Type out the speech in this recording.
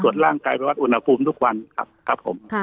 ส่วนร่างกายประวัติอุณหภูมิทุกวันครับ